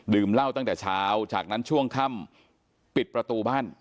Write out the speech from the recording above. เหล้าตั้งแต่เช้าจากนั้นช่วงค่ำปิดประตูบ้าน